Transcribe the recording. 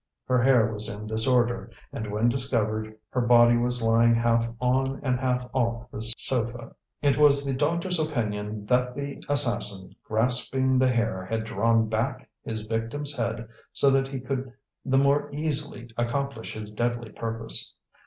Her hair was in disorder, and when discovered, her body was lying half on and half off the sofa. It was the doctor's opinion that the assassin, grasping the hair, had drawn back his victim's head so that he could the more easily accomplish his deadly purpose.